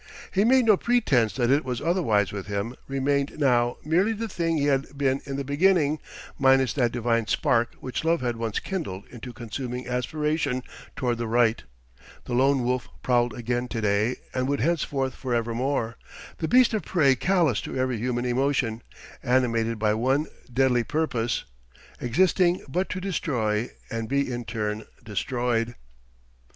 He made no pretense that it was otherwise with him: remained now merely the thing he had been in the beginning, minus that divine spark which love had once kindled into consuming aspiration toward the right; the Lone Wolf prowled again to day and would henceforth forevermore, the beast of prey callous to every human emotion, animated by one deadly purpose, existing but to destroy and be in turn destroyed....